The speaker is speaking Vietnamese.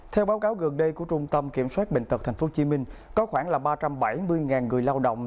theo báo cáo gần đây của trung tâm kiểm soát bệnh tật tp hcm có khoảng ba trăm bảy mươi người lao động